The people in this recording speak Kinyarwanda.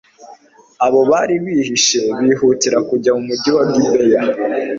abo bari bihishe bihutira kujya mu mugi wa gibeya